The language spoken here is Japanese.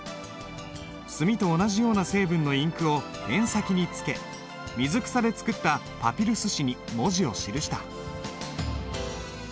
墨と同じような成分のインクをペン先につけ水草で作ったパピルス紙に文字を記した。